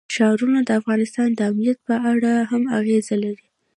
ښارونه د افغانستان د امنیت په اړه هم اغېز لري.